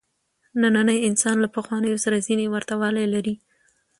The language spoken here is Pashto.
نننی انسان له پخوانیو سره ځینې ورته والي لري.